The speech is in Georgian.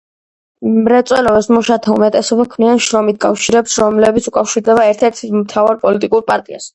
მრეწველობის მუშათა უმეტესობა ქმნიან შრომით კავშირებს, რომლებიც უკავშირდება ერთ-ერთ მთავარ პოლიტიკურ პარტიას.